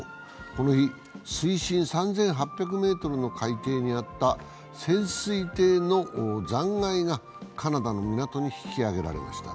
この日、水深３８００ｍの海底にあった潜水艇の残骸が、カナダの港に引き揚げられました。